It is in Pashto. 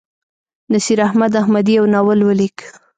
نصیراحمد احمدي یو ناول ولیک.